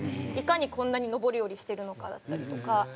いかにこんなに上り下りしてるのかだったりとか。